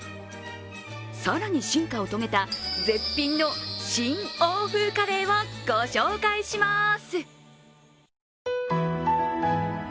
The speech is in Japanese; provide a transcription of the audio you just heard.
更に進化を遂げた絶品の新欧風カレーをご紹介します。